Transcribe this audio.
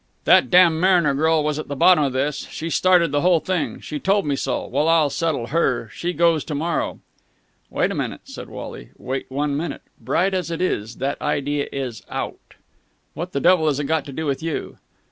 "That damned Mariner girl was at the bottom of this! She started the whole thing! She told me so. Well, I'll settle her! She goes to morrow!" "Wait a minute," said Wally. "Wait one minute! Bright as it is, that idea is out!" "What the devil has it got to do with you?"